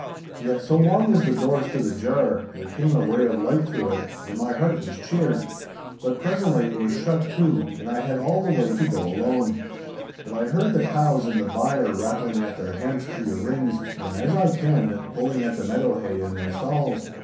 Yet, so long as the door stood ajar, there came a ray of light through it, and my heart was cheered. But presently it was shut to, and I had all the way to go alone. 'But I heard the cows in the byre rattling at their hemps through the rings, and as I kenned, pulling at the meadow hay in their stalls.